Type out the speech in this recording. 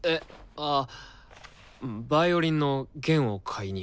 あヴァイオリンの弦を買いに。